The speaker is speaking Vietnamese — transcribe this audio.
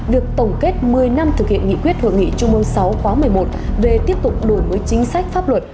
việc tổng kết một mươi năm thực hiện nghị quyết hội nghị trung ương sáu khóa một mươi một về tiếp tục đổi mới chính sách pháp luật